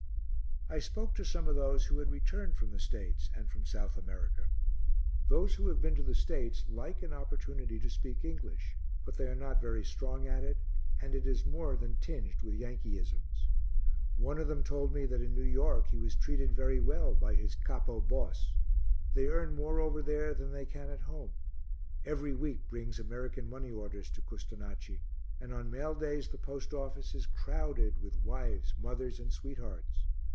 I spoke to some of those who had returned from the States and from South America. Those who have been to the States like an opportunity to speak English, but they are not very strong at it, and it is more than tinged with Yankeeisms. One of them told me that in New York he was treated very well by his Capo Boss. They earn more over there than they can at home; every week brings American money orders to Custonaci and on mail days the post office is crowded with wives, mothers and sweethearts.